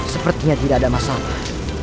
sepertinya tidak ada masalah